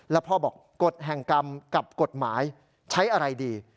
แล้วพ่อบอกกฎแห่งกรรมกับกฎหมายใช้อะไรดี